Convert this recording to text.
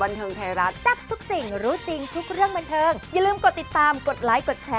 อย่าลืมไปดูกันด้วยนะ